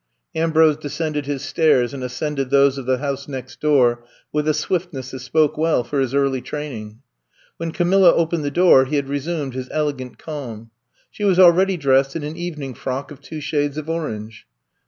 Ambrose descended his stairs and as cended those of the house next door with a swiftness that spoke well for his early training. When Camilla opened the door he had resumed his elegant calm. She was already dressed in an evening frock of two shades of orange.